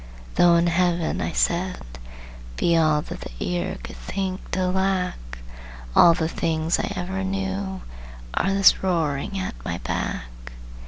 "Though in Heaven," I said, "be all That the ear could think to lack, All the things I ever knew Are this roaring at my back."